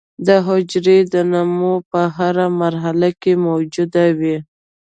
د حجرې د نمو په هره مرحله کې موجود وي.